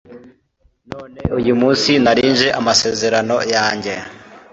none uyu munsi narangije amasezerano yanjye